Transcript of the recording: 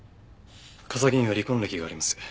笠城には離婚歴があります。